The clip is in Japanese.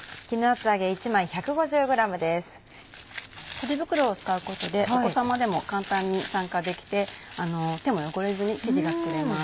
ポリ袋を使うことでお子さまでも簡単に参加できて手も汚れずに生地が作れます。